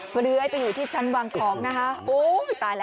มันเลื้อยไปอยู่ที่ชั้นวางของนะคะ